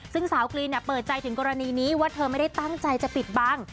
ซึ่งสาวกรีนเปิดใจถึงกรณีนี้ว่าเธอไม่ได้ตั้งใจจะปิดบัง